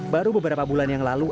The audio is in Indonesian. baru beberapa bulan yang lalu